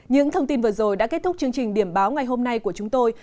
những thông tin vừa rồi đã kết thúc chương trình điểm báo ngày hôm nay của chúng tôi